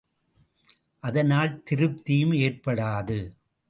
அதனால் திருப்தியும் ஏற்படாது.